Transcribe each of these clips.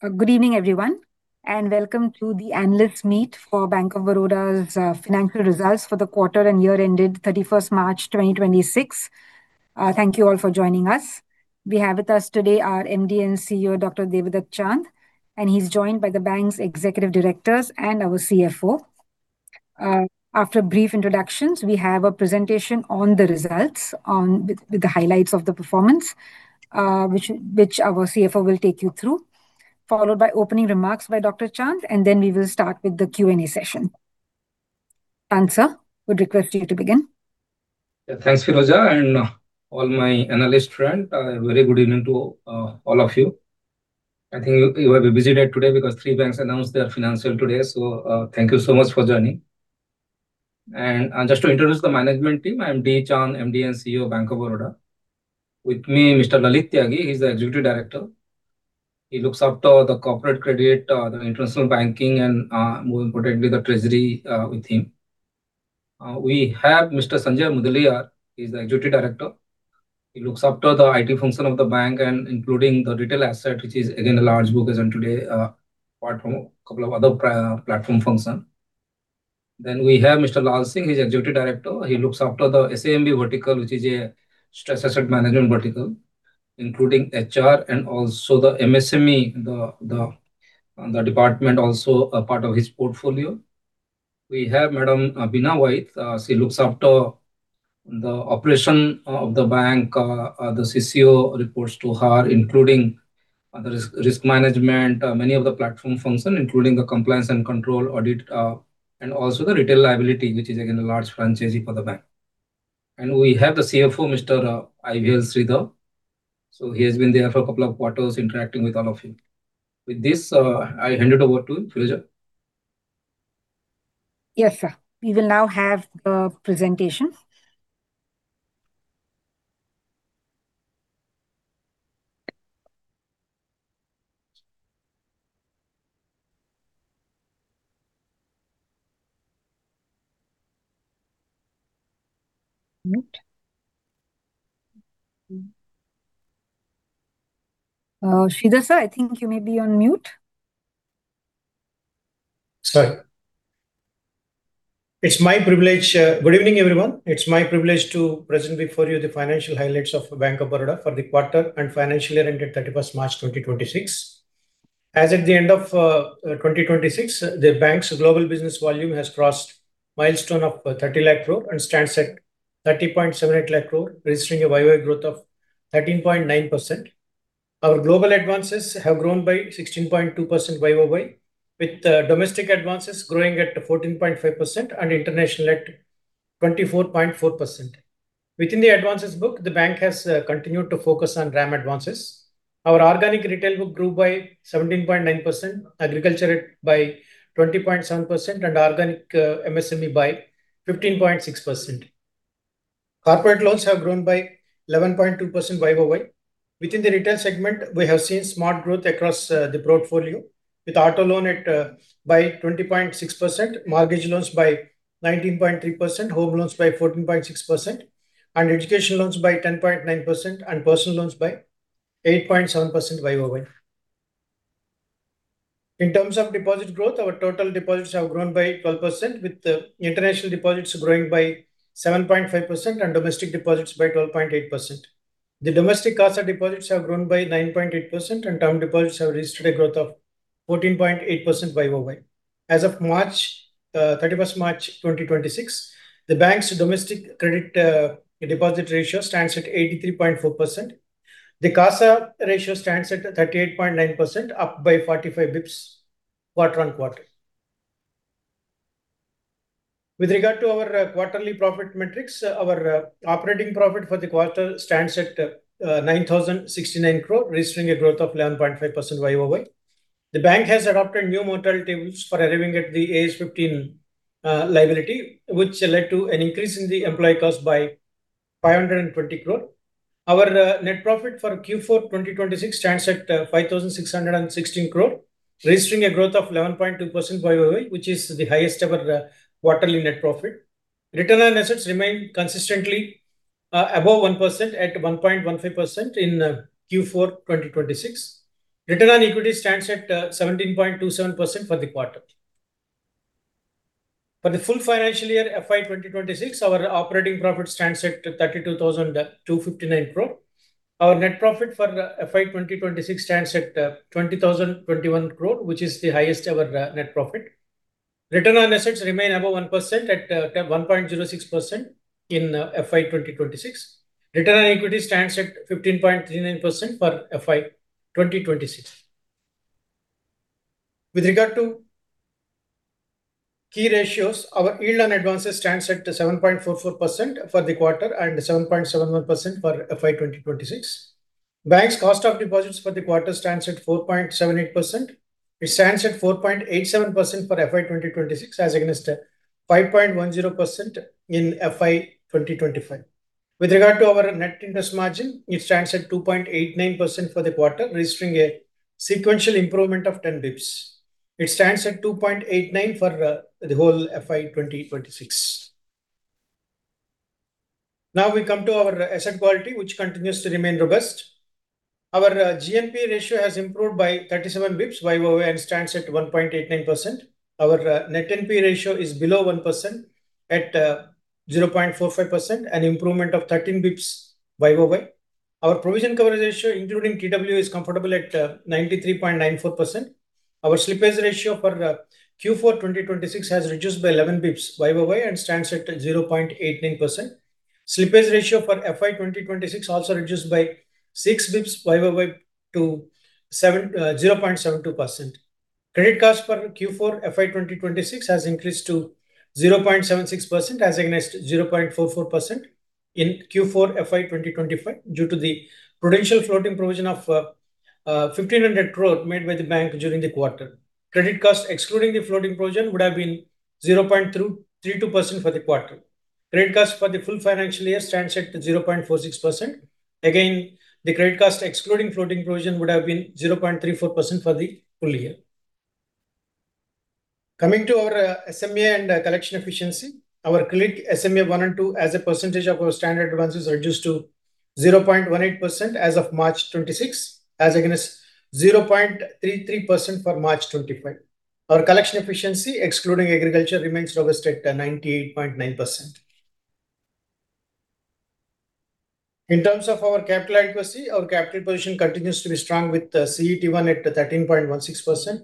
Good evening, everyone, and welcome to the analyst meet for Bank of Baroda's financial results for the quarter and year ended 31st March 2026. Thank you all for joining us. We have with us today our MD and CEO, Dr. Debadatta Chand, and he's joined by the bank's executive directors and our CFO. After brief introductions, we have a presentation on the results, with the highlights of the performance, which our CFO will take you through, followed by opening remarks by Dr. Chand, and then we will start with the Q&A session. And sir, would request you to begin. Thanks, Firoza, and all my analyst friend, very good evening to all of you. I think you have a busy day today because 3 banks announced their financial today. Thank you so much for joining. Just to introduce the management team, I'm D. Chand, MD and CEO, Bank of Baroda. With me, Mr. Lalit Tyagi. He's the Executive Director. He looks after the corporate credit, the international banking and, more importantly, the treasury with him. We have Mr. Sanjay Mudaliar. He's the Executive Director. He looks after the IT function of the bank and including the retail asset, which is again a large book as on today, apart from a couple of other platform function. We have Mr. Lal Singh. He's Executive Director. He looks after the SAM vertical, which is a Stress Asset Management Vertical, including HR and also the MSME, the department also a part of his portfolio. We have Madam Beena Vaheed. She looks after the operation of the bank. The CCO reports to her, including the risk management, many of the platform function, including the compliance and control audit, and also the retail liability, which is again a large franchisee for the bank. We have the CFO, Mr. I. V. Sridhar. He has been there for a couple of quarters interacting with all of you. With this, I hand it over to Firoza. Yes, sir. We will now have the presentation. Mute. Sridhar, sir, I think you may be on mute. Sorry. It's my privilege, Good evening, everyone. It's my privilege to present before you the financial highlights of Bank of Baroda for the quarter and financial year ended 31st March 2026. As at the end of 2026, the bank's global business volume has crossed milestone of 30 lakh crore and stands at 30.78 lakh crore, registering a YOY growth of 13.9%. Our global advances have grown by 16.2% YOY, with domestic advances growing at 14.5% and international at 24.4%. Within the advances book, the bank has continued to focus on RAM advances. Our organic retail book grew by 17.9%, agriculture at by 20.7%, and organic MSME by 15.6%. Corporate loans have grown by 11.2% YOY. Within the retail segment, we have seen smart growth across the portfolio with auto loan at 20.6%, mortgage loans by 19.3%, home loans by 14.6%, education loans by 10.9%, and personal loans by 8.7% YOY. In terms of deposit growth, our total deposits have grown by 12% with the international deposits growing by 7.5% and domestic deposits by 12.8%. The domestic CASA deposits have grown by 9.8%, and term deposits have registered a growth of 14.8% YOY. As of March, 31st March 2026, the bank's domestic credit, deposit ratio stands at 83.4%. The CASA ratio stands at 38.9%, up by 45 bps quarter-on-quarter. With regard to our quarterly profit metrics, our operating profit for the quarter stands at 9,069 crore, registering a growth of 11.5% YOY. The bank has adopted new mortality rules for arriving at the AS 15 liability, which led to an increase in the employee cost by 520 crore. Our net profit for Q4 2026 stands at 5,616 crore, registering a growth of 11.2% YOY, which is the highest ever quarterly net profit. Return on assets remain consistently above 1% at 1.15% in Q4 2026. Return on equity stands at 17.27% for the quarter. For the full financial year FY 2026, our operating profit stands at 32,259 crore. Our net profit for FY 2026 stands at 20,021 crore, which is the highest ever net profit. Return on assets remain above 1% at 1.06% in FY 2026. Return on equity stands at 15.39% for FY 2026. With regard to key ratios, our yield on advances stands at 7.44% for the quarter and 7.71% for FY 2026. Bank's cost of deposits for the quarter stands at 4.78%. It stands at 4.87% for FY 2026 as against 5.10% in FY 2025. With regard to our net interest margin, it stands at 2.89% for the quarter, registering a sequential improvement of 10 bps. It stands at 2.89 for the whole FY 2026. We come to our asset quality, which continues to remain robust. Our GNPA ratio has improved by 37 basis points YOY and stands at 1.89%. Our net NPA ratio is below 1% at 0.45%, an improvement of 13 basis points YOY. Our provision coverage ratio, including TW, is comfortable at 93.94%. Our slippage ratio for Q4 2026 has reduced by 11 basis points YOY and stands at 0.89%. Slippage ratio for FY 2026 also reduced by 6 basis points YOY to 0.72%. Credit cost for Q4 FY 2026 has increased to 0.76% as against 0.44% in Q4 FY 2025 due to the prudential floating provision of 1,500 crore made by the bank during the quarter. Credit cost excluding the floating provision would have been 0.32% for the quarter. Credit cost for the full financial year stands at 0.46%. Again, the credit cost excluding floating provision would have been 0.34% for the full year. Coming to our SMA and collection efficiency, our click SMA one and two as a percentage of our standard advances reduced to 0.18% as of March 2026, as against 0.33% for March 2025. Our collection efficiency excluding agriculture remains robust at 98.9%. In terms of our capital adequacy, our capital position continues to be strong with CET1 at 13.16%,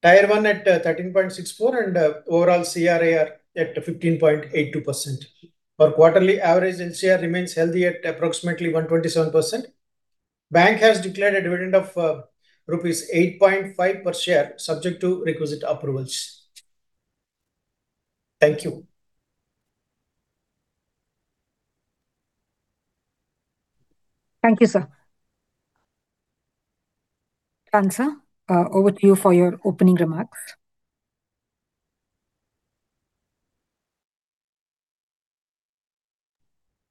Tier 1 at 13.64%, and overall CRAR at 15.82%. Our quarterly average LCR remains healthy at approximately 127%. Bank has declared a dividend of rupees 8.5 per share, subject to requisite approvals. Thank you. Thank you, sir. Sanjay, over to you for your opening remarks.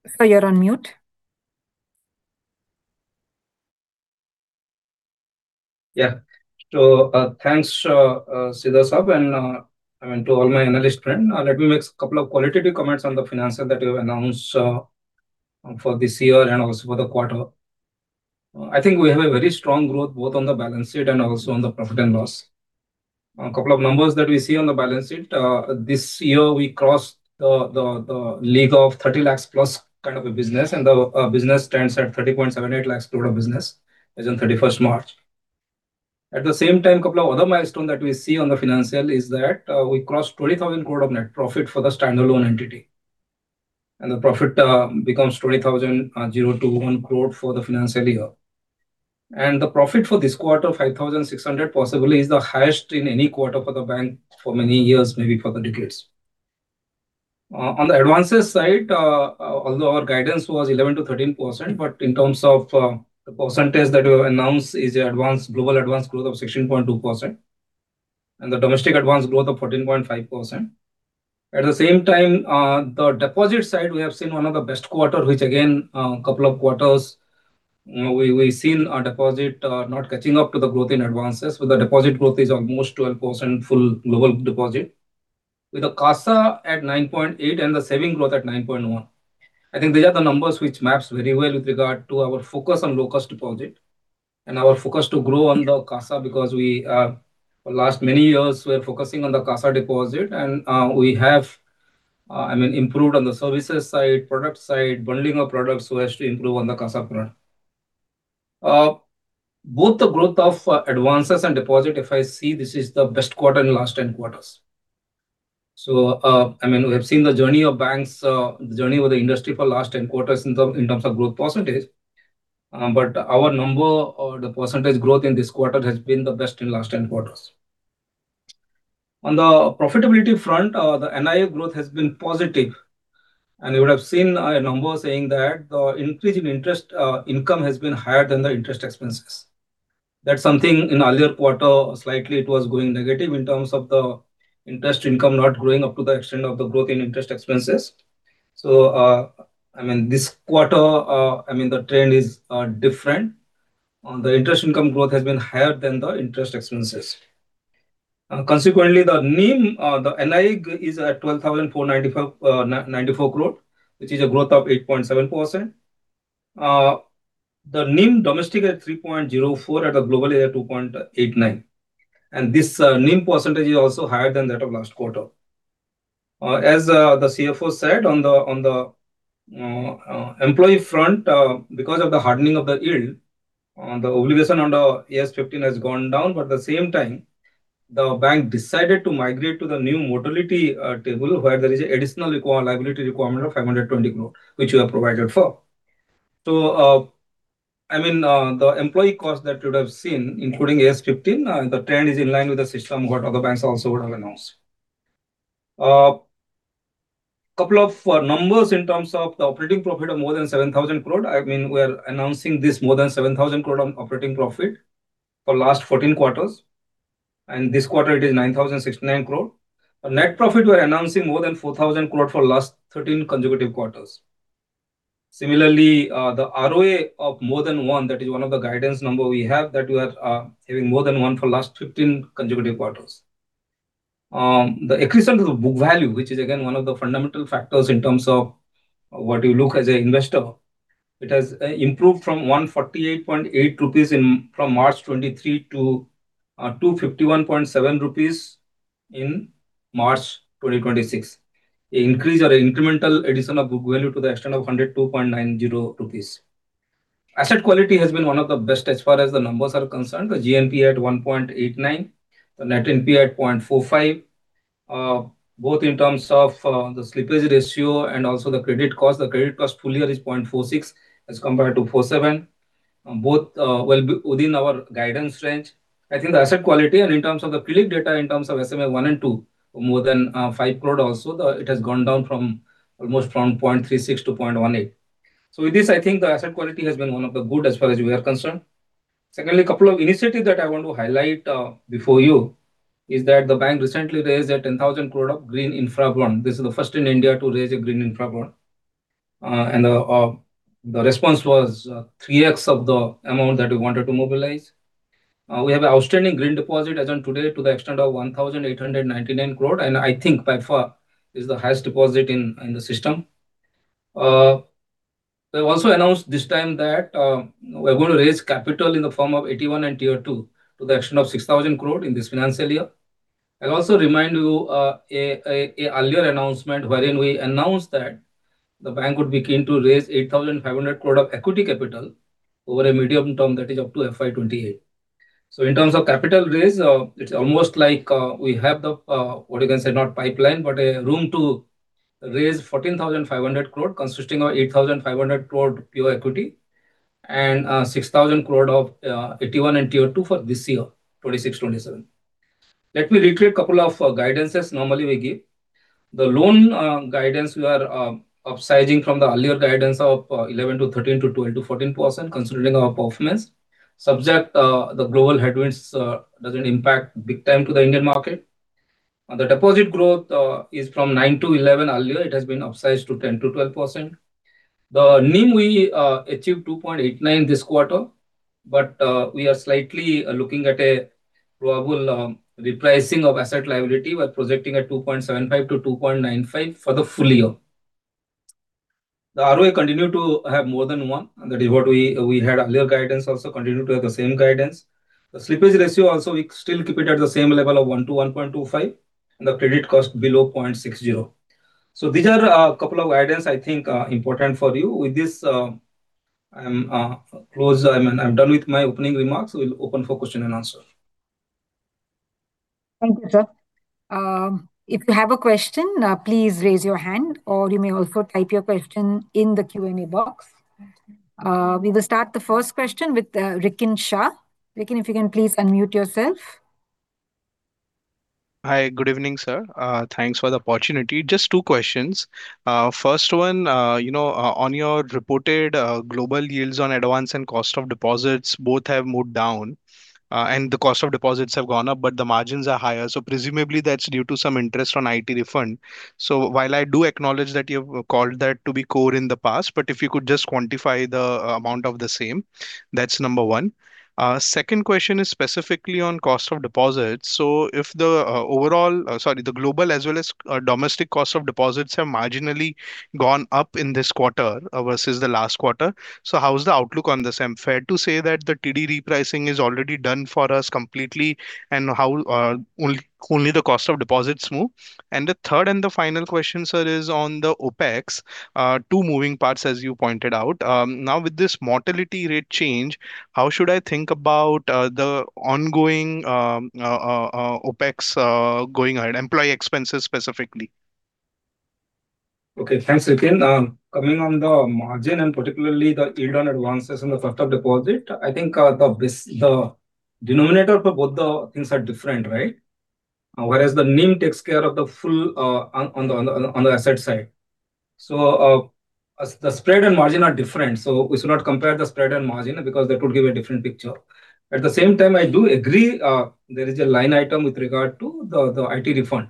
Sir, you're on mute. Thanks, Sridhar sir, and, I mean, to all my analyst friend. Let me make a couple of qualitative comments on the financial that you have announced for this year and also for the quarter. I think we have a very strong growth both on the balance sheet and also on the profit and loss. A couple of numbers that we see on the balance sheet. This year we crossed the league of 30 lakhs plus kind of a business, and the business stands at 30.78 lakhs crore of business as on 31st March. At the same time, couple of other milestone that we see on the financial is that we crossed 20,000 crore of net profit for the standalone entity. The profit becomes 20,021 crore for the financial year. The profit for this quarter, 5,600 possibly is the highest in any quarter for the bank for many years, maybe for the decades. On the advances side, although our guidance was 11%-13%, but in terms of the percentage that we have announced is global advance growth of 16.2%, and the domestic advance growth of 14.5%. At the same time, on the deposit side, we have seen one of the best quarter, which again, couple of quarters, you know, we've seen our deposit not catching up to the growth in advances. The deposit growth is almost 12% full global deposit, with the CASA at 9.8 and the saving growth at 9.1. I think these are the numbers which maps very well with regard to our focus on low-cost deposit and our focus to grow on the CASA because for last many years, we are focusing on the CASA deposit and we have, I mean, improved on the services side, product side, bundling of products so as to improve on the CASA front. Both the growth of advances and deposit, if I see, this is the best quarter in last 10 quarters. I mean, we have seen the journey of banks, the journey of the industry for last 10 quarters in terms of growth percentage. Our number or the percentage growth in this quarter has been the best in last 10 quarters. On the profitability front, the NII growth has been positive. You would have seen a number saying that the increase in interest income has been higher than the interest expenses. That's something in earlier quarter, slightly it was going negative in terms of the interest income not growing up to the extent of the growth in interest expenses. I mean, this quarter, I mean, the trend is different. The interest income growth has been higher than the interest expenses. Consequently, the NIM, the NII is at 12,495, 94 crore, which is a growth of 8.7%. The NIM domestic at 3.04 at a global year 2.89. This NIM percentage is also higher than that of last quarter. As the CFO said on the employee front, because of the hardening of the yield, the obligation under AS 15 has gone down, but at the same time, the bank decided to migrate to the new modality table where there is additional liability requirement of 520 crore, which we have provided for. I mean, the employee cost that you would have seen, including AS 15, the trend is in line with the system what other banks also would have announced. Couple of numbers in terms of the operating profit of more than 7,000 crore. I mean, we are announcing this more than 7,000 crore on operating profit for last 14 quarters. This quarter it is 9,069 crore. Net profit, we are announcing more than 4,000 crore for last 13 consecutive quarters. Similarly, the ROA of more than 1, that is one of the guidance number we have that we are having more than one for last 15 consecutive quarters. The accretion to the book value, which is again one of the fundamental factors in terms of what you look as an investor, it has improved from 148.8 rupees in March 2023 to 251.7 rupees in March 2026. A increase or incremental addition of book value to the extent of 102.90 rupees. Asset quality has been one of the best as far as the numbers are concerned. The GNPA at 1.89%, the net NPA at 0.45%. Both in terms of the slippage ratio and also the credit cost. The credit cost full year is 0.46% as compared to 0.47%. Both will be within our guidance range. I think the asset quality and in terms of the Philip data in terms of SMA one and two, more than 5 crore also, it has gone down from almost from 0.36% to 0.18%. With this, I think the asset quality has been one of the good as far as we are concerned. Secondly, a couple of initiatives that I want to highlight before you is that the bank recently raised a 10,000 crore of green infra bond. This is the first in India to raise a green infra bond. The response was 3x of the amount that we wanted to mobilize. We have outstanding Green Deposit as on today to the extent of 1,899 crore, and I think by far is the highest deposit in the system. We've also announced this time that we're going to raise capital in the form of AT1 and Tier 2 to the extent of 6,000 crore in this financial year. I'll also remind you, earlier announcement wherein we announced that the bank would be keen to raise 8,500 crore of equity capital over a medium term that is up to FY 2028. In terms of capital raise, it's almost like we have the, what you can say, not pipeline, but a room to raise 14,500 crore consisting of 8,500 crore pure equity and 6,000 crore of AT1 and Tier 2 for this year, 2026, 2027. Let me reiterate a couple of guidances normally we give. The loan guidance we are upsizing from the earlier guidance of 11%-13% to 12%-14% considering our performance, subject the global headwinds doesn't impact big time to the Indian market. The deposit growth is from 9-11 earlier, it has been upsized to 10%-12%. The NIM we achieved 2.89 this quarter, we are slightly looking at a probable repricing of asset liability. We're projecting at 2.75-2.95 for the full year. The ROA continued to have more than 1, that is what we had earlier guidance also continued to have the same guidance. The slippage ratio also, we still keep it at the same level of 1-1.25, the credit cost below 0.60. These are a couple of guidances I think are important for you. With this, I'm close. I'm done with my opening remarks. We'll open for question and answer. Thank you, sir. If you have a question, please raise your hand, or you may also type your question in the Q&A box. We will start the first question with Rikin Shah. Rikin, if you can please unmute yourself. Hi. Good evening, sir. Thanks for the opportunity. Just two questions. First one, you know, on your reported global yields on advance and cost of deposits, both have moved down, and the cost of deposits have gone up, but the margins are higher. Presumably, that's due to some interest on IT refund. While I do acknowledge that you've called that to be core in the past, but if you could just quantify the amount of the same. That's number one. Second question is specifically on cost of deposits. If the overall, the global as well as domestic cost of deposits have marginally gone up in this quarter versus the last quarter, so how is the outlook on the same? Fair to say that the TD repricing is already done for us completely and how only the cost of deposits move? The third and the final question, sir, is on the OpEx, two moving parts as you pointed out. Now with this mortality rate change, how should I think about the ongoing OpEx going ahead, employee expenses specifically? Okay. Thanks, Rikin. Coming on the margin, and particularly the yield on advances and the cost of deposit, I think, the denominator for both the things are different, right? Whereas the NIM takes care of the full on the asset side. As the spread and margin are different, so we should not compare the spread and margin because that would give a different picture. At the same time, I do agree, there is a line item with regard to the IT refund.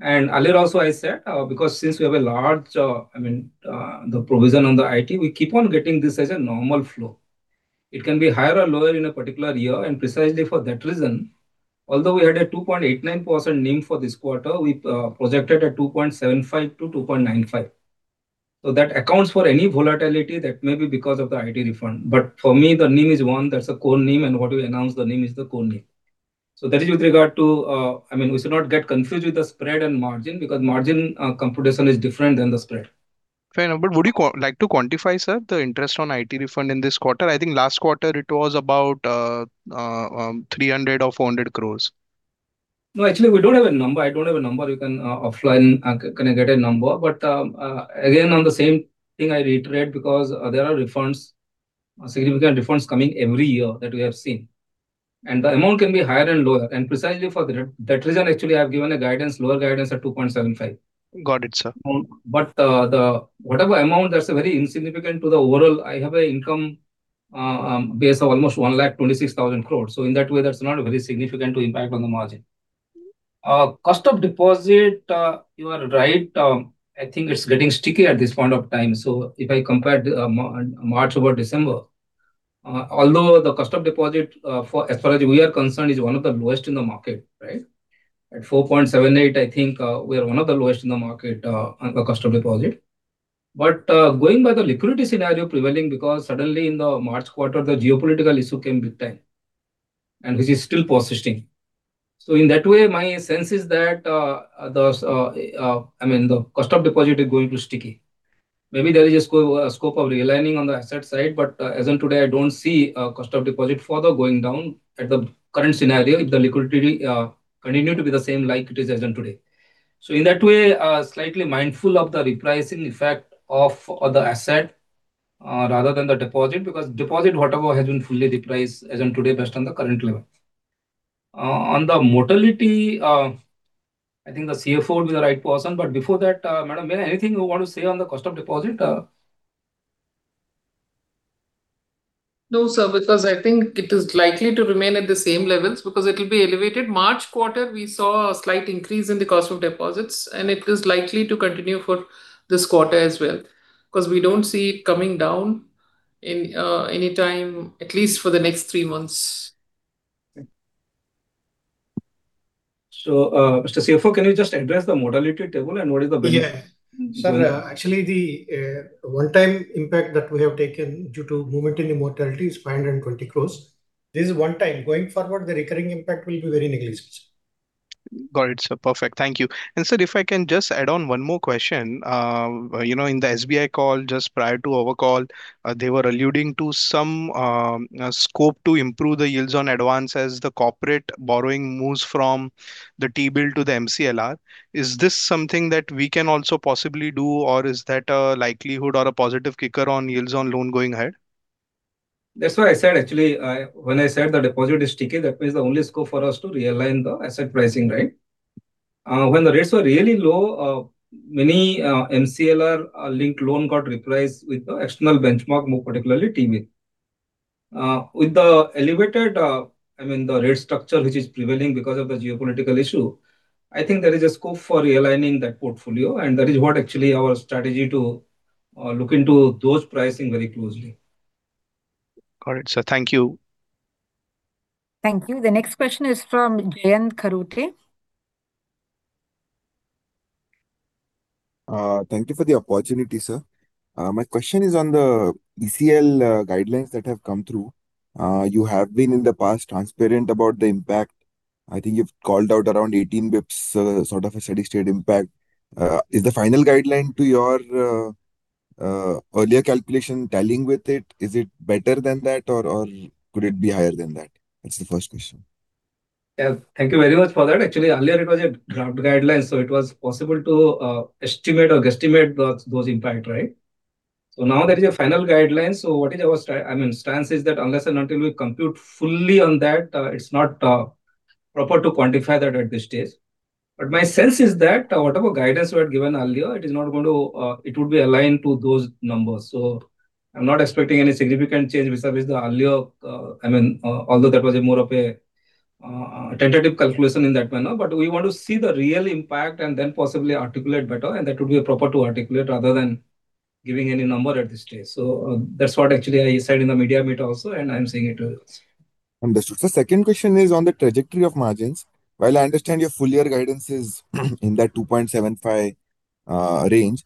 Earlier also I said, because since we have a large, I mean, the provision on the IT, we keep on getting this as a normal flow. It can be higher or lower in a particular year, although we had a 2.89% NIM for this quarter, we projected a 2.75%-2.95%. That accounts for any volatility that may be because of the IT refund. The NIM is one, that's a core NIM, and what we announced, the NIM is the core NIM. That is with regard to, I mean, we should not get confused with the spread and margin, because margin computation is different than the spread. Fair enough. Would you like to quantify, sir, the interest on IT refund in this quarter? I think last quarter it was about 300 crore or 400 crore. No, actually, we don't have a number. I don't have a number. We can, offline, can I get a number. Again, on the same thing, I reiterate because there are refunds, significant refunds coming every year that we have seen. The amount can be higher and lower, and precisely for that reason, actually, I've given a guidance, lower guidance at 2.75. Got it, sir. The whatever amount, that's very insignificant to the overall. I have a income base of almost 126,000 crore. In that way, that's not a very significant to impact on the margin. Cost of deposit, you are right. I think it's getting sticky at this point of time. If I compare the March over December, although the cost of deposit, for as far as we are concerned is one of the lowest in the market, right? At 4.78, I think, we are one of the lowest in the market on the cost of deposit. Going by the liquidity scenario prevailing, because suddenly in the March quarter the geopolitical issue came big time, and which is still persisting. In that way, my sense is that, I mean, the cost of deposit is going to sticky. Maybe there is a scope of realigning on the asset side, but as on today, I don't see cost of deposit further going down at the current scenario if the liquidity continue to be the same like it is as on today. In that way, slightly mindful of the repricing effect of other asset rather than the deposit, because deposit whatever has been fully repriced as on today based on the current level. On the mortality, I think the CFO will be the right person. Before that, madam, may I Anything you want to say on the cost of deposit? No, sir, because I think it is likely to remain at the same levels because it will be elevated. March quarter, we saw a slight increase in the cost of deposits, and it is likely to continue for this quarter as well, because we don't see it coming down in any time, at least for the next 3 months. Mr. CFO, can you just address the mortality table? Yeah. Sir, actually the, one time impact that we have taken due to momentarily mortality is 520 crores. This is one time. Going forward, the recurring impact will be very negligible, sir. Got it, sir. Perfect. Thank you. Sir, if I can just add on one more question. You know, in the SBI call just prior to our call, they were alluding to some scope to improve the yields on advance as the corporate borrowing moves from the T-bill to the MCLR. Is this something that we can also possibly do, or is that a likelihood or a positive kicker on yields on loan going ahead? That's why I said, actually, when I said the deposit is sticky, that means the only scope for us to realign the asset pricing, right? When the rates were really low, many MCLR linked loan got repriced with the external benchmark, more particularly T-bill. With the elevated, I mean, the rate structure which is prevailing because of the geopolitical issue, I think there is a scope for realigning that portfolio, and that is what actually our strategy to look into those pricing very closely. Got it, sir. Thank you. Thank you. The next question is from Jayant Karuturi. Thank you for the opportunity, sir. My question is on the ECL guidelines that have come through. You have been in the past transparent about the impact. I think you've called out around 18 basis points, sort of a steady state impact. Is the final guideline to your earlier calculation telling with it? Is it better than that or could it be higher than that? That's the first question. Yeah. Thank you very much for that. Actually, earlier it was a draft guidelines, so it was possible to estimate or guesstimate those impact, right? Now there is a final guideline. What is our I mean, stance is that unless and until we compute fully on that, it's not proper to quantify that at this stage. My sense is that whatever guidance we had given earlier, it is not going to, it would be aligned to those numbers. I'm not expecting any significant change vis-à-vis the earlier, I mean, although that was a more of a tentative calculation in that manner. We want to see the real impact and then possibly articulate better, and that would be proper to articulate rather than giving any number at this stage. That's what actually I said in the media bit also, and I'm saying it to you also. Understood. Second question is on the trajectory of margins. While I understand your full year guidance is in that 2.75 range,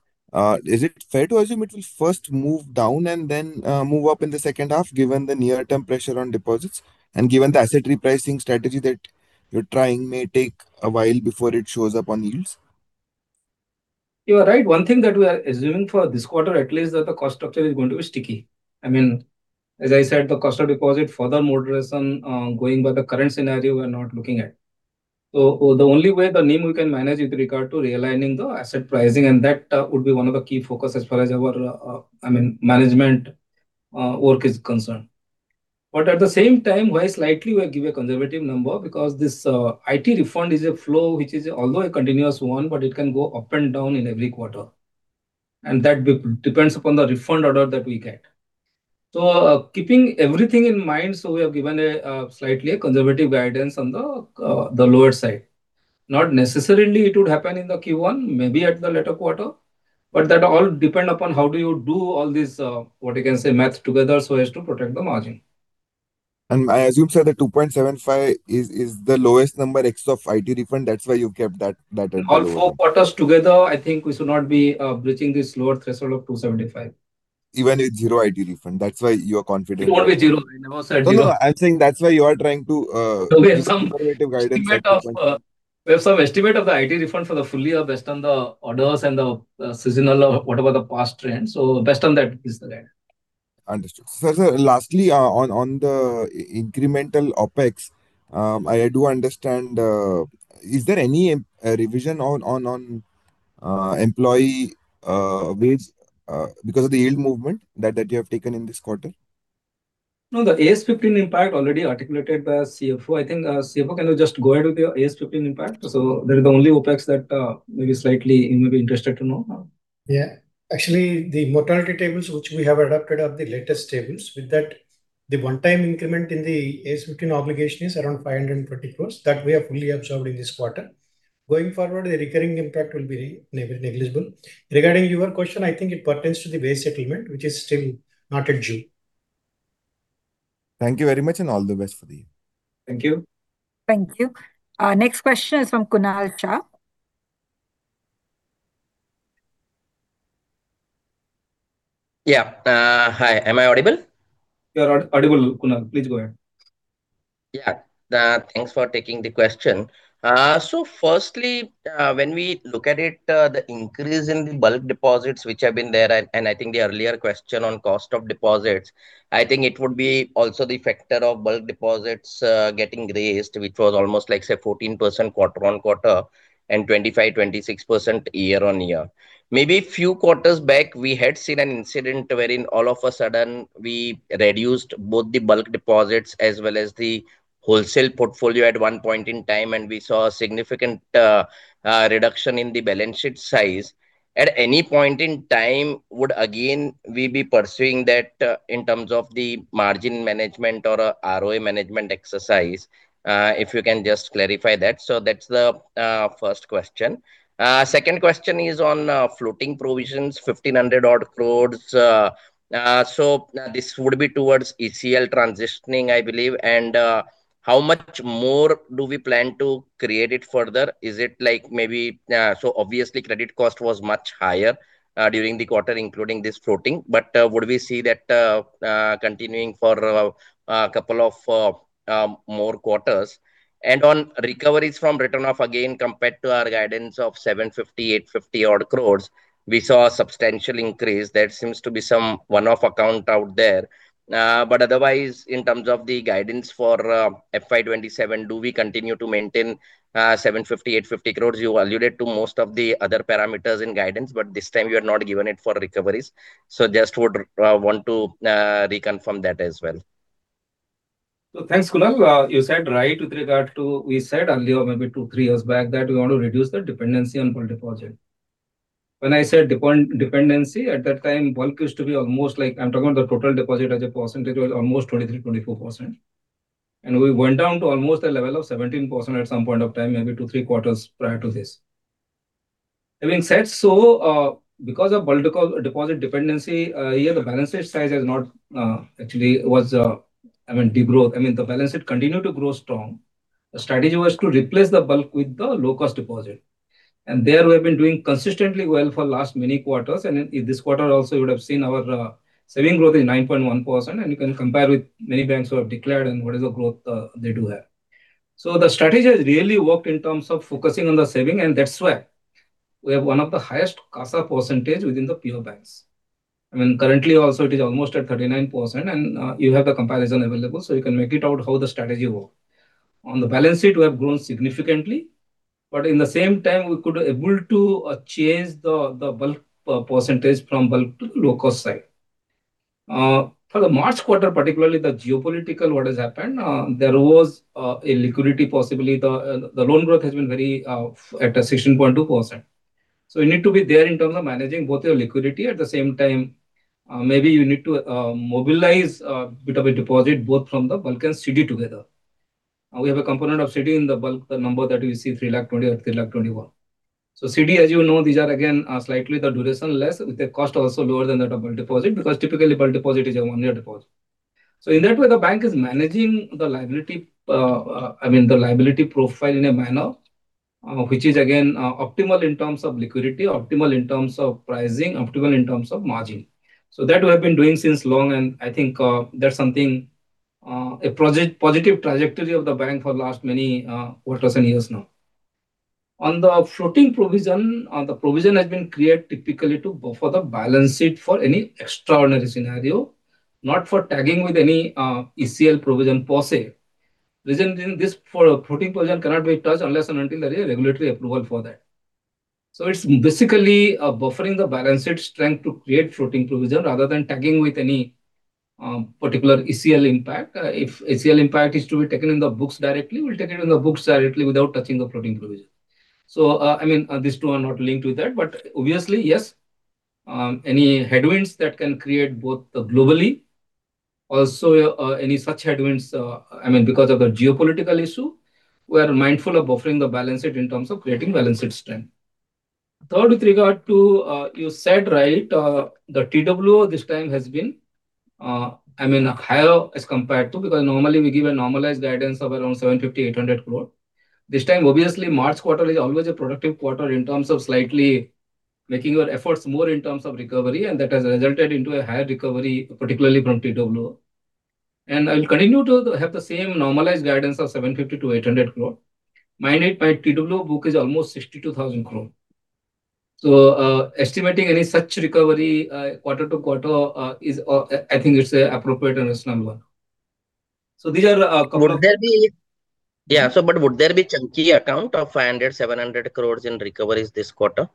is it fair to assume it will first move down and then move up in the second half given the near term pressure on deposits and given the asset repricing strategy that you're trying may take a while before it shows up on yields? You are right. One thing that we are assuming for this quarter at least, that the cost structure is going to be sticky. I mean, as I said, the cost of deposit further moderation, going by the current scenario, we're not looking at. The only way, the name we can manage with regard to realigning the asset pricing, and that would be one of the key focus as far as our, I mean, management work is concerned. At the same time, why slightly we give a conservative number, because this IT refund is a flow which is although a continuous one, but it can go up and down in every quarter, and that depends upon the refund order that we get. Keeping everything in mind, we have given a slightly a conservative guidance on the lower side. Not necessarily it would happen in the Q1, maybe at the later quarter, but that all depend upon how do you do all this math together so as to protect the margin. I assume, sir, the 2.75 is the lowest number ex of IT refund, that's why you kept that at the lower end. All four quarters together, I think we should not be breaching this lower threshold of 275. Even with zero IT refund, that's why you are confident. It won't be zero. I never said zero. No, no, I'm saying that's why you are trying to give some conservative guidance. We have some estimate of the IT refund for the full year based on the orders and the seasonal or whatever the past trends. Based on that is the guide. Understood. Sir, lastly, on the incremental OpEx, I do understand, is there any revision on employee wage because of the yield movement that you have taken in this quarter? No, the AS 15 impact already articulated by CFO. I think, CFO, can you just go ahead with your AS 15 impact? That is the only OpEx that maybe slightly you may be interested to know. Yeah. Actually, the mortality tables which we have adopted are the latest tables. With that, the one-time increment in the AS 15 obligation is around 520 crores, that we have fully absorbed in this quarter. Going forward, the recurring impact will be negligible. Regarding your question, I think it pertains to the base settlement, which is still not at due. Thank you very much, and all the best for the year. Thank you. Thank you. Next question is from Kunal Shah. Yeah. Hi. Am I audible? You are audible Kunal. Please go ahead. Yeah. thanks for taking the question. firstly, when we look at it, the increase in the bulk deposits which have been there and I think the earlier question on cost of deposits, I think it would be also the factor of bulk deposits, getting raised, which was almost like, say, 14% quarter-on-quarter and 25%-26% YOY. Maybe few quarters back, we had seen an incident wherein all of a sudden we reduced both the bulk deposits as well as the wholesale portfolio at one point in time, and we saw a significant reduction in the balance sheet size. At any point in time, would again we be pursuing that, in terms of the margin management or ROA management exercise? if you can just clarify that. That's the first question. Second question is on floating provisions, 1,500 odd crores. This would be towards ECL transitioning, I believe. How much more do we plan to create it further? Obviously credit cost was much higher during the quarter including this floating, but would we see that continuing for a couple of more quarters? On recoveries from written off again compared to our guidance of 750-850 odd crores, we saw a substantial increase. That seems to be some one-off account out there. Otherwise, in terms of the guidance for FY 2027, do we continue to maintain 750-850 crores? You alluded to most of the other parameters in guidance, but this time you have not given it for recoveries. Just would want to reconfirm that as well. Thanks, Kunal. You said right with regard to we said earlier, maybe 2, 3 years back, that we want to reduce the dependency on bulk deposit. When I said dependency, at that time, bulk used to be almost like, I mean, I'm talking about the total deposit as a percentage, was almost 23%, 24%. We went down to almost a level of 17% at some point of time, maybe 2, 3 quarters prior to this. Having said so, because of bulk deposit dependency, here the balance sheet size has not actually was, I mean, de-growth. I mean, the balance sheet continued to grow strong. The strategy was to replace the bulk with the low-cost deposit. There we have been doing consistently well for last many quarters, in this quarter also you would have seen our saving growth is 9.1%, and you can compare with many banks who have declared and what is the growth they do have. The strategy has really worked in terms of focusing on the saving, and that's why we have one of the highest CASA percentage within the pure banks. I mean, currently also it is almost at 39% and you have the comparison available, you can make it out how the strategy work. On the balance sheet we have grown significantly, in the same time, we could able to change the bulk percentage from bulk to low cost side. For the March quarter, particularly the geopolitical what has happened, there was a liquidity possibility. The loan growth has been very at a 16.2%. You need to be there in terms of managing both your liquidity, at the same time, maybe you need to mobilize a bit of a deposit both from the bulk and CD together. We have a component of CD in the bulk, the number that we see, 3 lakh 20 or 3 lakh 21. CD, as you know, these are again, slightly the duration less with the cost also lower than that of bulk deposit, because typically bulk deposit is a one-year deposit. In that way, the bank is managing the liability, I mean the liability profile in a manner which is again optimal in terms of liquidity, optimal in terms of pricing, optimal in terms of margin. That we have been doing since long, I think that's something a positive trajectory of the bank for last many quarters and years now. On the floating provision, the provision has been created typically to buffer the balance sheet for any extraordinary scenario, not for tagging with any ECL provision per se. Reason being this for a floating provision cannot be touched unless and until there is a regulatory approval for that. It's basically buffering the balance sheet strength to create floating provision rather than tagging with any particular ECL impact. If ECL impact is to be taken in the books directly, we'll take it in the books directly without touching the floating provision. I mean, these two are not linked with that, but obviously, yes, any headwinds that can create both globally, also, any such headwinds, I mean because of the geopolitical issue, we are mindful of buffering the balance sheet in terms of creating balance sheet strength. Third, with regard to, you said right, the TWO this time has been, I mean, higher as compared to, because normally we give a normalized guidance of around 750 crore, 800 crore. This time, obviously, March quarter is always a productive quarter in terms of slightly making your efforts more in terms of recovery, and that has resulted into a higher recovery, particularly from TWO. I'll continue to have the same normalized guidance of 750-800 crore. Mind it, my TWO book is almost 62,000 crore. Estimating any such recovery, quarter to quarter, is, I think it's appropriate and reasonable. Would there be chunky account of 500 crore, 700 crore in recoveries this quarter?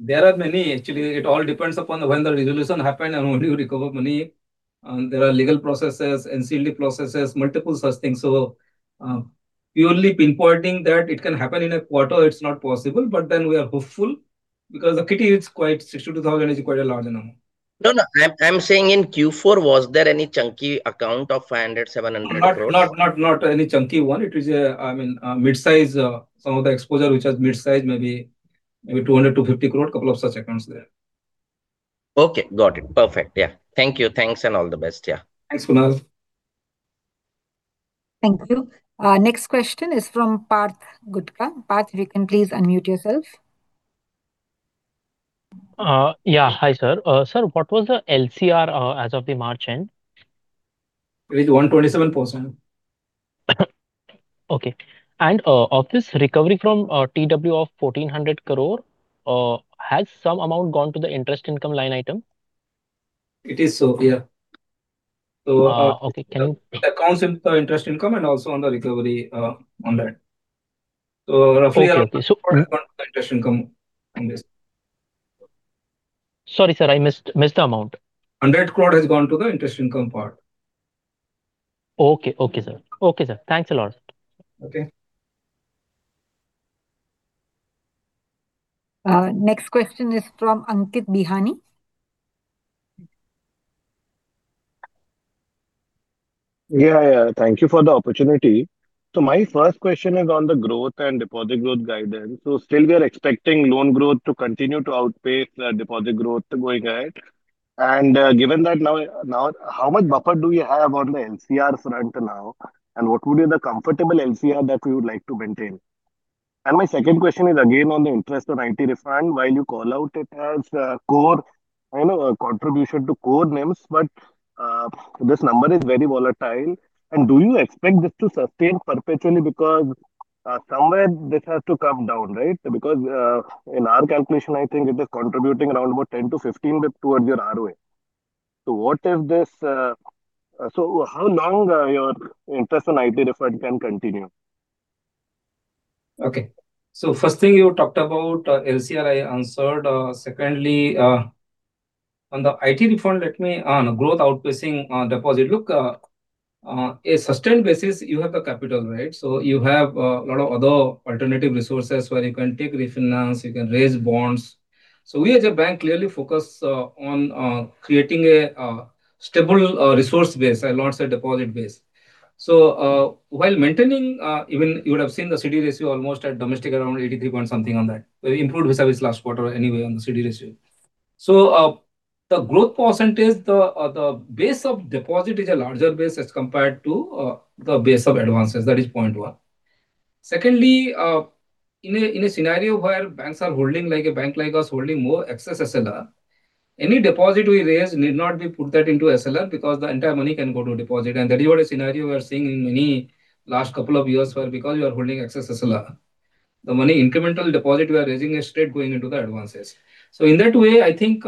There are many. Actually, it all depends upon when the resolution happen and when you recover money. There are legal processes, NCLT processes, multiple such things. Purely pinpointing that it can happen in a quarter, it's not possible. We are hopeful because the kitty is quite, 62,000 is quite a large amount. No, I'm saying in Q4 was there any chunky account of 500 crores, 700 crores? Not any chunky one. It is, I mean, mid-size, some of the exposure which has mid-size, maybe 200 crore, 250 crore. A couple of such accounts there. Okay. Got it. Perfect. Yeah. Thank you. Thanks and all the best. Yeah. Thanks, Kunal. Thank you. Next question is from Parth Gutka. Parth, you can please unmute yourself. Yeah. Hi, sir. What was the LCR as of the March end? It is one twenty-seven percent. Okay. Of this recovery from TWO of 1,400 crore, has some amount gone to the interest income line item? It is so, yeah. okay. That comes into interest income and also on the recovery, on that. Okay. the interest income on this. Sorry, sir, I missed the amount. 100 crore has gone to the interest income part. Okay. Okay, sir. Okay, sir. Thanks a lot. Okay. Next question is from Ankit Bihani. Yeah. Yeah. Thank you for the opportunity. My first question is on the growth and deposit growth guidance. Still we are expecting loan growth to continue to outpace the deposit growth going ahead. Given that now, how much buffer do you have on the LCR front now, and what would be the comfortable LCR that we would like to maintain? My second question is again on the interest on IT refund. While you call out it as core, you know, a contribution to core NIMs, this number is very volatile. Do you expect this to sustain perpetually? Because somewhere this has to come down, right? Because in our calculation, I think it is contributing around about 10%-15% towards your ROA. How long your interest on IT refund can continue? Okay. First thing you talked about, LCR, I answered. Secondly, on the IT refund, let me On growth outpacing, deposit. Look, on a sustained basis, you have the capital, right? You have, lot of other alternative resources where you can take refinance, you can raise bonds. We as a bank clearly focus, on, creating a, stable, resource base and also deposit base. While maintaining, even you would have seen the CD ratio almost at domestic around 83 point something on that. We improved since last quarter anyway on the CD ratio. The growth percentage, the base of deposit is a larger base as compared to, the base of advances. That is point one. Secondly, in a scenario where banks are holding, like a bank like us holding more excess SLR, any deposit we raise need not be put that into SLR because the entire money can go to deposit. And that is what a scenario we are seeing in many last couple of years where because you are holding excess SLR, the money, incremental deposit we are raising straight going into the advances. So in that way, I think,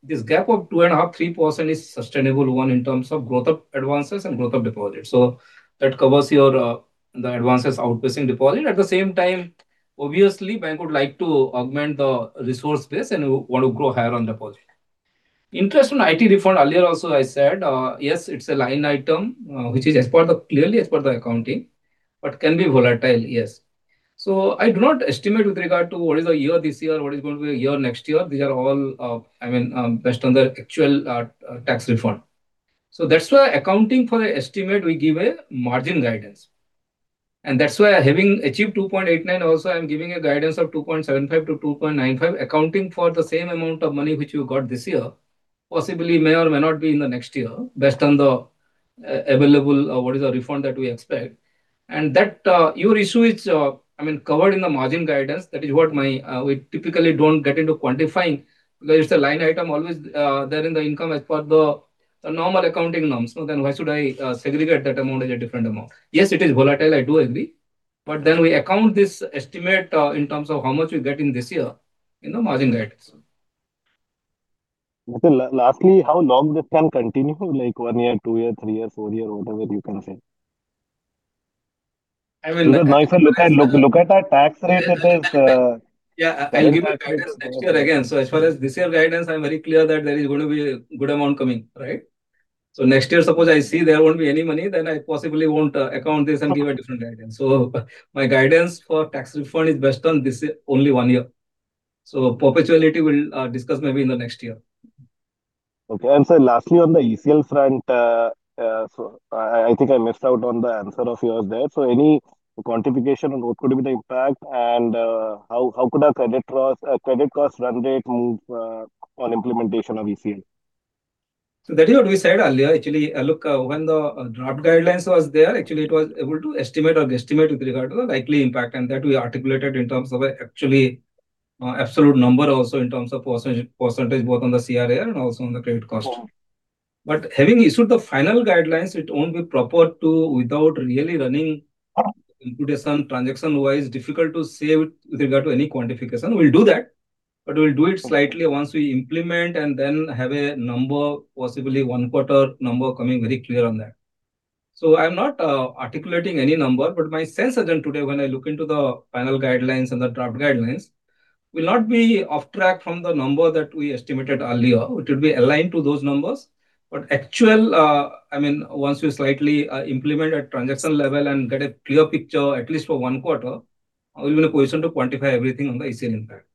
this gap of 2.5%-3% is sustainable, one, in terms of growth of advances and growth of deposits. So that covers your, the advances outpacing deposit. At the same time, obviously bank would like to augment the resource base and want to grow higher on deposit. Interest on IT refund, earlier also I said, yes, it's a line item, which is clearly as per the accounting, but can be volatile, yes. I do not estimate with regard to what is the year this year, what is going to be a year next year. These are all based on the actual tax refund. That's why accounting for estimate, we give a margin guidance. That's why having achieved 2.89 also I'm giving a guidance of 2.75 to 2.95, accounting for the same amount of money which you got this year, possibly may or may not be in the next year based on the available what is the refund that we expect. That your issue is covered in the margin guidance. That is what my. We typically don't get into quantifying. It's a line item always there in the income as per the normal accounting norms. Why should I segregate that amount as a different amount? Yes, it is volatile. I do agree. We account this estimate in terms of how much we get in this year in the margin guidance. Lastly, how long this can continue? Like one year, two year, three year, four year? Whatever you can say. I will- Now if you look at our tax rate, it is. Yeah. I'll give a guidance next year again. As far as this year guidance, I'm very clear that there is going to be a good amount coming, right. Next year, suppose I see there won't be any money, then I possibly won't account this and give a different guidance. My guidance for tax refund is based on this year, only one year. Perpetuity we'll discuss maybe in the next year. Okay. Sir, lastly, on the ECL front, I think I missed out on the answer of yours there. Any quantification on what could be the impact and, how could our credit loss, credit cost run rate move, on implementation of ECL? That is what we said earlier. Actually, look, when the draft guidelines was there, actually it was able to estimate or g-estimate with regard to the likely impact, and that we articulated in terms of a actually, absolute number also in terms of percentage both on the CET1 and also on the credit cost. Having issued the final guidelines, it won't be proper to, without really running imputation transaction-wise, difficult to say with regard to any quantification. We'll do that, but we'll do it slightly once we implement and then have a number, possibly one quarter number coming very clear on that. I'm not articulating any number, but my sense as on today when I look into the final guidelines and the draft guidelines will not be off track from the number that we estimated earlier. It will be aligned to those numbers. Actual, I mean, once we slightly implement at transaction level and get a clear picture at least for one quarter. We'll be in a position to quantify everything on the ECL impact.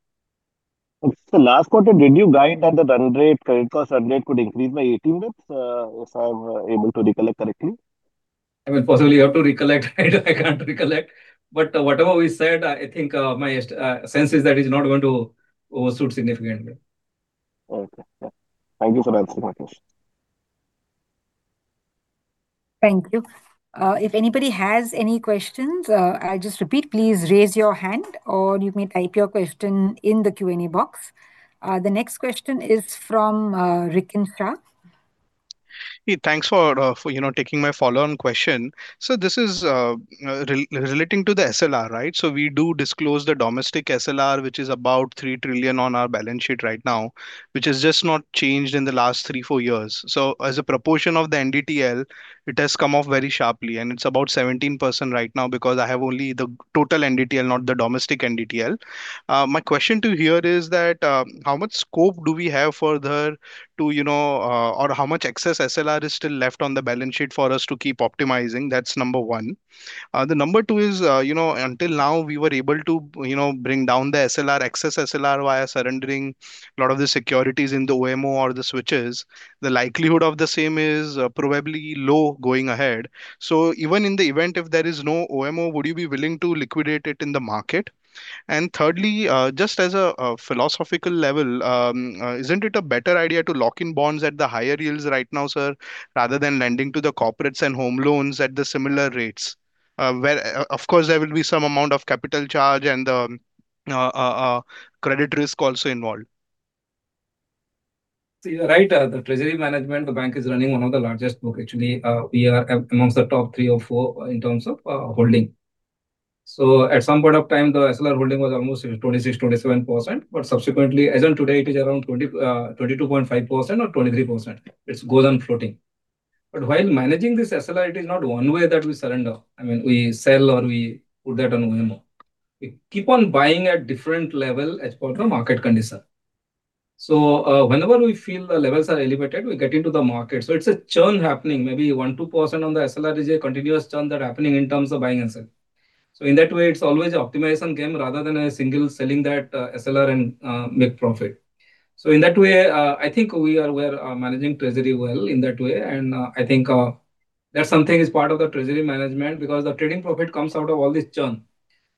Sir, last quarter did you guide that the run rate, credit cost run rate could increase by 18 basis, if I'm able to recollect correctly? I mean, possibly you have to recollect, right? I can't recollect. Whatever we said, I think, my sense is that it's not going to overshoot significantly. Okay. Yeah. Thank you for that, Sir Ganesh. Thank you. If anybody has any questions, I'll just repeat, please raise your hand or you may type your question in the Q&A box. The next question is from Rikin Shah. Hey, thanks for, you know, taking my follow-on question. This is relating to the SLR, right? We do disclose the domestic SLR, which is about 3 trillion on our balance sheet right now, which has just not changed in the last three, four years. As a proportion of the NDTL, it has come off very sharply, and it's about 17% right now because I have only the total NDTL, not the domestic NDTL. My question to hear is that, how much scope do we have further to, you know, or how much excess SLR is still left on the balance sheet for us to keep optimizing? That's number one. The number two is, you know, until now, we were able to, you know, bring down the SLR, excess SLR via surrendering a lot of the securities in the OMO or the switches. The likelihood of the same is probably low going ahead. Even in the event if there is no OMO, would you be willing to liquidate it in the market? Thirdly, just as a philosophical level, isn't it a better idea to lock in bonds at the higher yields right now, sir, rather than lending to the corporates and home loans at the similar rates? Where of course there will be some amount of capital charge and the credit risk also involved. You're right, the treasury management, the bank is running one of the largest book actually. We are amongst the top three or four in terms of holding. At some point of time, the SLR holding was almost 26%, 27%, but subsequently, as on today, it is around 22.5% or 23%. It goes on floating. While managing this SLR, it is not one way that we surrender. I mean, we sell or we put that on OMO. We keep on buying at different level as per the market condition. Whenever we feel the levels are elevated, we get into the market. It's a churn happening. Maybe 1%, 2% on the SLR is a continuous churn that happening in terms of buying and selling. In that way, it's always optimization game rather than a single selling that SLR and make profit. In that way, I think we are, we're managing treasury well in that way. I think that's something is part of the treasury management because the trading profit comes out of all this churn.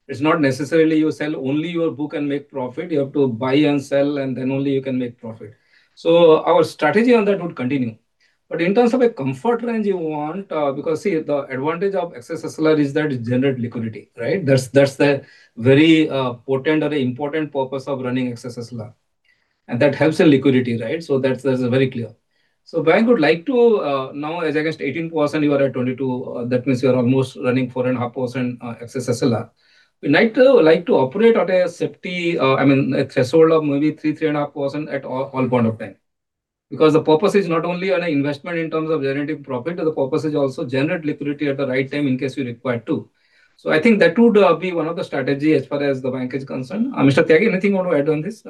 It's not necessarily you sell only your book and make profit. You have to buy and sell, and then only you can make profit. Our strategy on that would continue. But in terms of a comfort range you want, because, see, the advantage of excess SLR is that it generate liquidity, right? That's the very potent or important purpose of running excess SLR. That helps the liquidity, right? That's very clear. Bank would like to, now as against 18%, you are at 22%, that means you are almost running 4.5% excess SLR. We like to operate at a safety, I mean, a threshold of maybe 3%-3.5% at all point of time. The purpose is not only on investment in terms of generating profit, the purpose is also generate liquidity at the right time in case we require to. I think that would be one of the strategy as far as the bank is concerned. Mr. Tyagi, anything you want to add on this?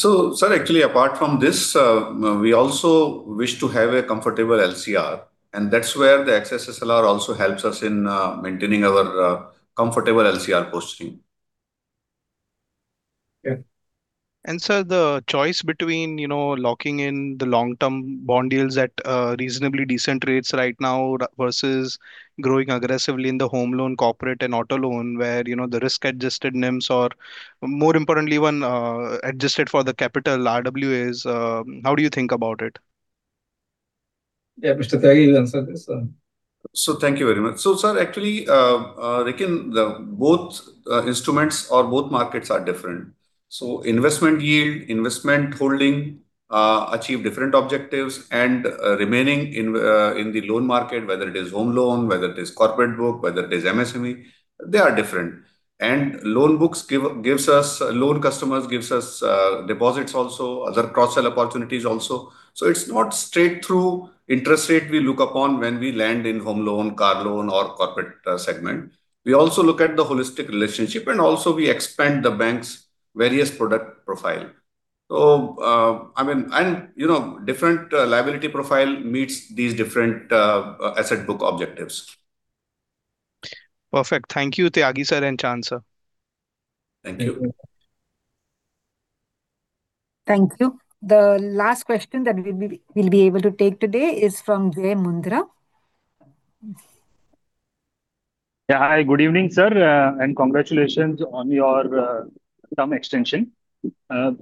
Sir, actually, apart from this, we also wish to have a comfortable LCR, and that's where the excess SLR also helps us in maintaining our comfortable LCR posting. Yeah. Sir, the choice between, you know, locking in the long-term bond deals at reasonably decent rates right now versus growing aggressively in the home loan corporate and auto loan, where, you know, the risk-adjusted NIMs or more importantly, when adjusted for the capital RWA is, how do you think about it? Yeah, Mr. Tyagi will answer this. Thank you very much. Sir, actually, Rikin, the both instruments or both markets are different. Investment yield, investment holding achieve different objectives and remaining in the loan market, whether it is home loan, whether it is corporate book, whether it is MSME, they are different. Loan books gives us loan customers, gives us deposits also, other cross-sell opportunities also. It's not straight through interest rate we look upon when we lend in home loan, car loan, or corporate segment. We also look at the holistic relationship, and also we expand the bank's various product profile. I mean, and, you know, different liability profile meets these different asset book objectives. Perfect. Thank you, Tyagi Sir and Chand Sir. Thank you. Thank you. The last question that we'll be able to take today is from Jai Mundhra. Yeah. Hi. Good evening, sir, and congratulations on your term extension.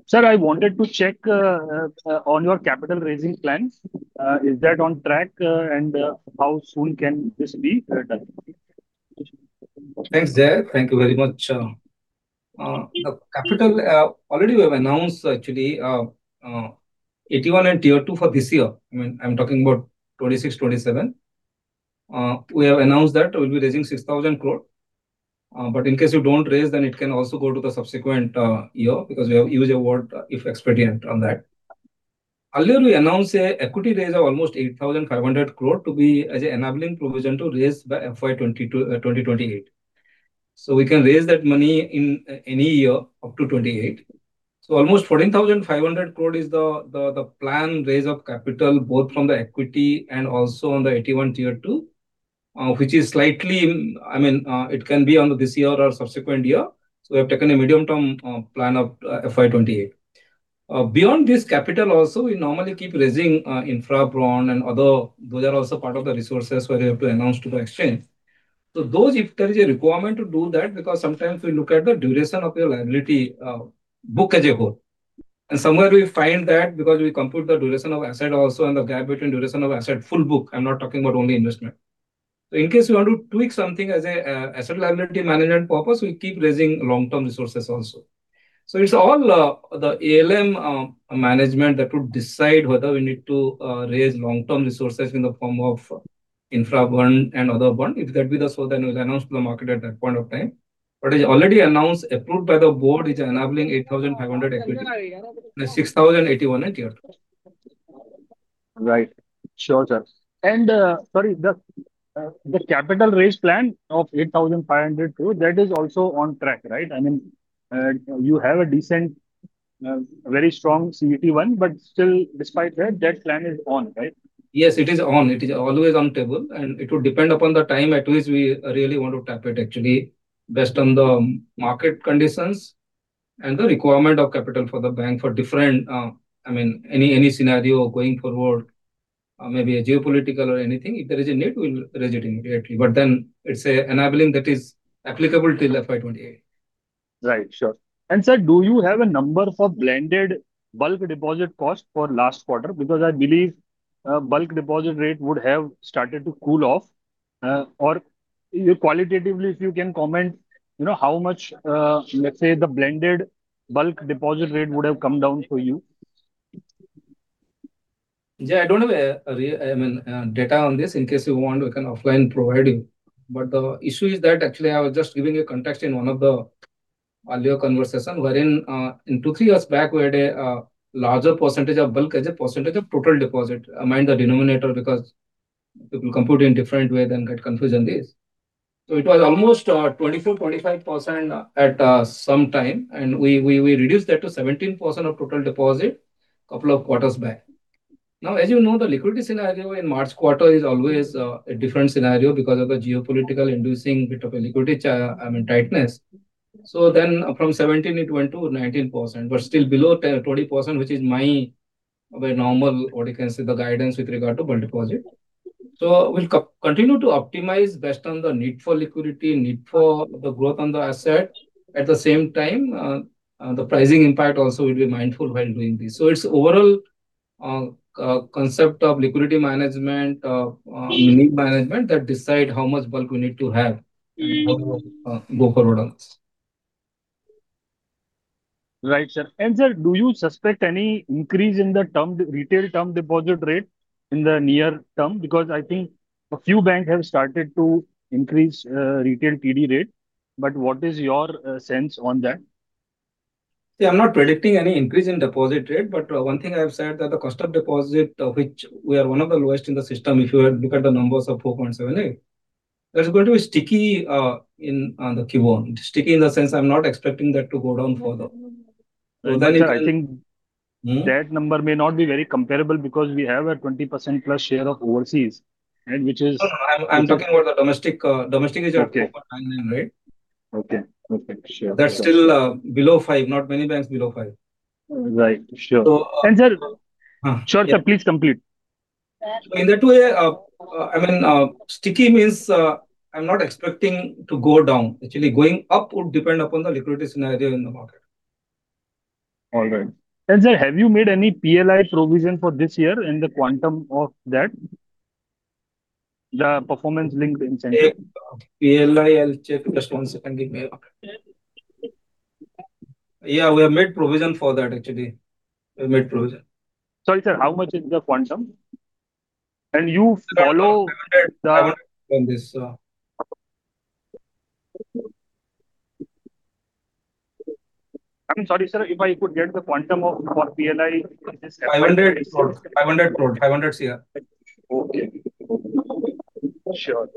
Sir, I wanted to check on your capital raising plans. Is that on track, and how soon can this be done? Thanks, Jai. Thank you very much. The capital, already we have announced actually, AT1 and Tier 2 for this year. I mean, I'm talking about 2026, 2027. We have announced that we'll be raising 6,000 crore. In case you don't raise, then it can also go to the subsequent year because we have used a word, "if expedient" on that. Earlier, we announced a equity raise of almost 8,500 crore to be as an enabling provision to raise by FY 2028. We can raise that money in any year up to 2028. Almost 14,500 crore is the planned raise of capital, both from the equity and also on the AT1 Tier 2, which is slightly, I mean, it can be on this year or subsequent year. We have taken a medium-term plan of FY 2028. Beyond this capital also, we normally keep raising infra bond and other. Those are also part of the resources where we have to announce to the exchange. Those, if there is a requirement to do that, because sometimes we look at the duration of your liability book as a whole. Somewhere we find that because we compute the duration of asset also and the gap between duration of asset full book, I'm not talking about only investment. In case we want to tweak something as a asset liability management purpose, we keep raising long-term resources also. It's all the ALM management that would decide whether we need to raise long-term resources in the form of infra bond and other bond, if that be the case, it was announced to the market at that point of time. What is already announced, approved by the board, is enabling 8,500 equity and 6,081 Tier 2. Right. Sure, sir. Sorry, the capital raise plan of 8,500 crore, that is also on track, right? You have a decent, very strong CET1, but still despite that plan is on, right? Yes, it is on. It is always on table. It would depend upon the time at which we really want to tap it actually based on the market conditions and the requirement of capital for the bank for different, I mean, any scenario going forward, maybe a geopolitical or anything. If there is a need, we will raise it immediately. It is a enabling that is applicable till FY 2028. Right. Sure. Sir, do you have a number for blended bulk deposit cost for last quarter? I believe, bulk deposit rate would have started to cool off. Qualitatively if you can comment, you know, how much, let's say the blended bulk deposit rate would have come down for you? I don't have I mean, data on this. In case you want, we can offline provide you. The issue is that actually I was just giving a context in one of the earlier conversation wherein, in two, three years back, we had a larger percentage of bulk as a percentage of total deposit. Mind the denominator, because people compute in different way, then get confused on this. It was almost 24%, 25% at some time, and we reduced that to 17% of total deposit two quarters back. As you know, the liquidity scenario in March quarter is always a different scenario because of the geopolitical inducing bit of a liquidity I mean, tightness. From 17 it went to 19%, but still below 20%, which is my very normal, what you can say, the guidance with regard to bulk deposit. We'll continue to optimize based on the need for liquidity, need for the growth on the asset. At the same time, the pricing impact also we'll be mindful while doing this. It's overall concept of liquidity management, need management that decide how much bulk we need to have. Go forward on this. Right, sir. Sir, do you suspect any increase in the retail term deposit rate in the near term? I think a few banks have started to increase retail TD rate, but what is your sense on that? See, I'm not predicting any increase in deposit rate. One thing I have said that the cost of deposit, which we are one of the lowest in the system, if you had look at the numbers of 4.78, that's going to be sticky in the Q1. Sticky in the sense I'm not expecting that to go down further. Sir. that number may not be very comparable because we have a 20%+ share of overseas, and which is- No, no. I'm talking about the domestic. Okay 4.99, right? Okay. Okay. Sure. That's still below five. Not many banks below five. Right. Sure. So- And sir- Yeah. Sure, sir, please complete. In that way, I mean, sticky means, I'm not expecting to go down. Actually, going up would depend upon the liquidity scenario in the market. All right. Sir, have you made any PLI provision for this year and the quantum of that? The performance linked incentive. PLI, I'll check. Just one second. We have made provision for that actually. We've made provision. Sorry, sir, how much is the quantum? INR 700 from this. I mean, sorry, sir, if I could get the quantum of, for PLI. 500 crore. 500 crore. 500 crore. Okay. Sure.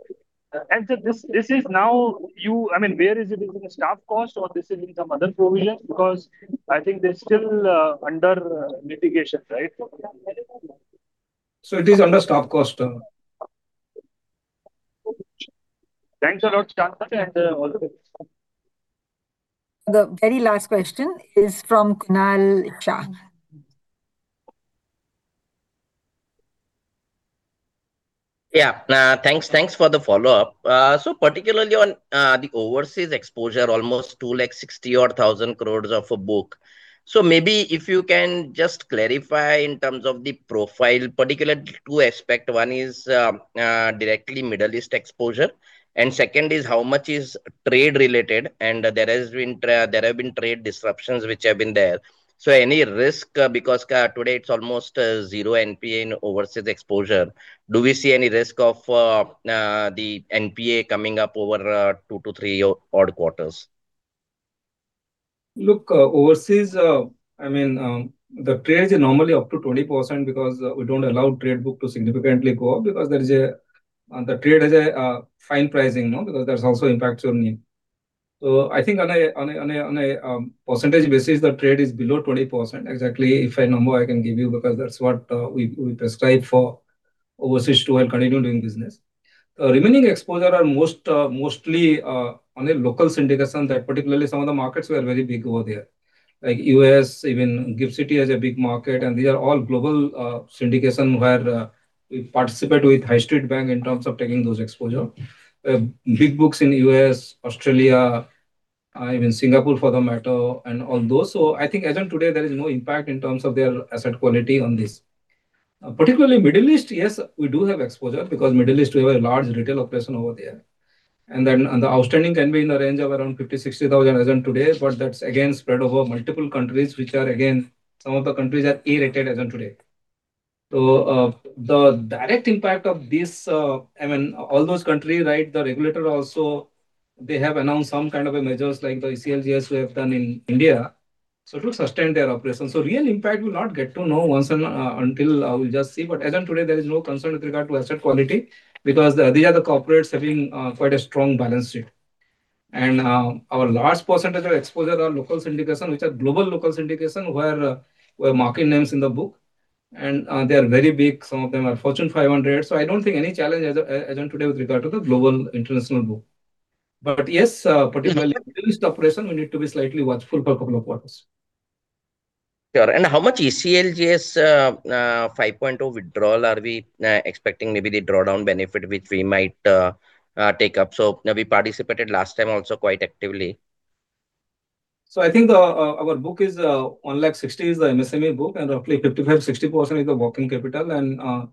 This is now you I mean, where is it? Is it in staff cost or this is in some other provision? Because I think they're still under mitigation, right? It is under staff cost. Thanks a lot, Debadatta Chand, and all the best. The very last question is from Kunal Shah. Thanks. Thanks for the follow-up. Particularly on the overseas exposure, almost 260,000 crores of a book. Maybe if you can just clarify in terms of the profile, particular two aspect. One is directly Middle East exposure, and second is how much is trade-related, and there have been trade disruptions which have been there. Any risk, because today it's almost 0 NPA in overseas exposure. Do we see any risk of the NPA coming up over two to three odd quarters? Look, overseas, I mean, the trade is normally up to 20% because we don't allow trade book to significantly go up because the trade has a fine pricing, no. Because that also impacts your need. I think on a percentage basis, the trade is below 20%. Exactly, if a number I can give you, because that's what we prescribe for overseas trade continue doing business. The remaining exposure are most mostly on a local syndication that particularly some of the markets were very big over there, like U.S., even Gulf City has a big market, these are all global syndication where we participate with HDFC Bank in terms of taking those exposure. Big books in U.S., Australia, even Singapore for the matter, and all those. I think as at today, there is no impact in terms of their asset quality on this. Particularly Middle East, yes, we do have exposure, because Middle East we have a large retail operation over there. The outstanding can be in the range of around 50,000-60,000 as at today, but that's again spread over multiple countries which are, again, some of the countries are A-rated as at today. The direct impact of this, I mean, all those country, right? The regulator also, they have announced some kind of a measures like the ECLGS we have done in India, it will sustain their operations. Real impact we'll not get to know once and until we just see. As at today, there is no concern with regard to asset quality because these are the corporates having quite a strong balance sheet. Our large percentage of exposure are local syndication, which are global local syndication, where marquee names in the book and they are very big. Some of them are Fortune 500. I don't think any challenge as a, as at today with regard to the global international book. Yes, particularly- Yeah Middle East operation, we need to be slightly watchful for a couple of quarters. Sure. How much ECLGS 5.0 withdrawal are we expecting maybe the drawdown benefit which we might take up? We participated last time also quite actively. I think our book is 1.60 lakh is the MSME book, and roughly 55%-60% is the working capital,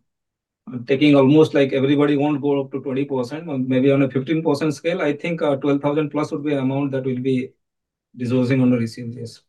taking almost like everybody won't go up to 20% or maybe on a 15% scale. I think 12,000+ would be an amount that we'll be disclosing on the ECLGS.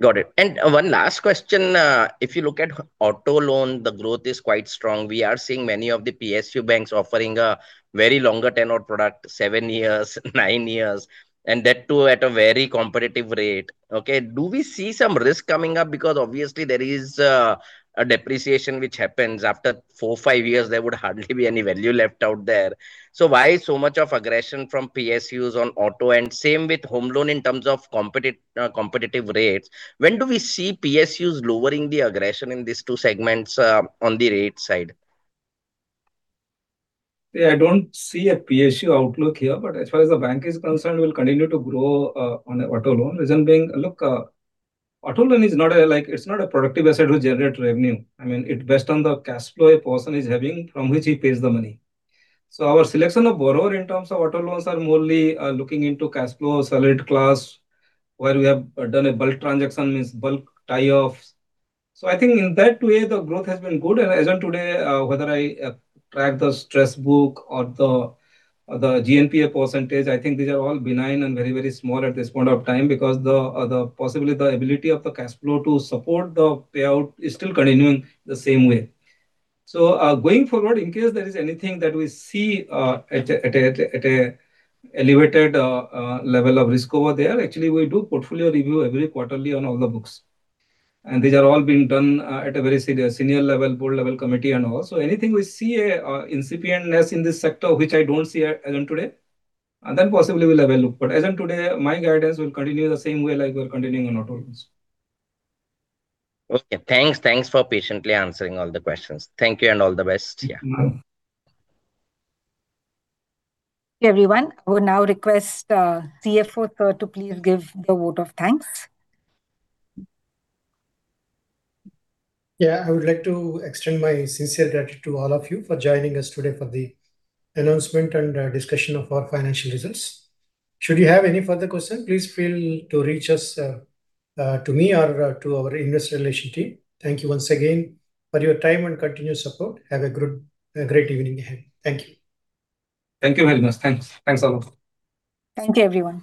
Got it. One last question. If you look at auto loan, the growth is quite strong. We are seeing many of the PSU banks offering a very longer tenure product, seven years, nine years, and that too at a very competitive rate. Okay, do we see some risk coming up? Because obviously there is a depreciation which happens after four, five years, there would hardly be any value left out there. Why so much of aggression from PSUs on auto? Same with home loan in terms of competitive rates. When do we see PSUs lowering the aggression in these two segments on the rate side? Yeah, I don't see a PSU outlook here, but as far as the bank is concerned, we'll continue to grow, on a auto loan. Reason being, look, auto loan is not a, like, it's not a productive asset to generate revenue. I mean, it based on the cashflow a person is having from which he pays the money. Our selection of borrower in terms of auto loans are more, looking into cashflow, salaried class, where we have done a bulk transaction, means bulk tie-offs. I think in that way the growth has been good. As at today, whether I track the stress book or the GNPA percentage, I think these are all benign and very, very small at this point of time because the possibly the ability of the cashflow to support the payout is still continuing the same way. Going forward, in case there is anything that we see at an elevated level of risk over there, actually we do portfolio review every quarterly on all the books. These are all being done at a very serious senior level, board-level committee and all. Anything we see a incipiency in this sector, which I don't see as at today, then possibly we'll evaluate. As at today, my guidance will continue the same way like we are continuing on auto loans. Okay. Thanks. Thanks for patiently answering all the questions. Thank you and all the best. Yeah. Everyone, I would now request, CFO, sir, to please give the vote of thanks. I would like to extend my sincere gratitude to all of you for joining us today for the announcement and discussion of our financial results. Should you have any further question, please feel to reach us to me or to our investor relation team. Thank you once again for your time and continuous support. Have a great evening ahead. Thank you. Thank you very much. Thanks. Thanks a lot. Thank you, everyone.